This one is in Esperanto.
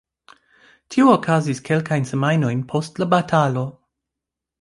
Tio okazis kelkajn semajnojn post la batalo.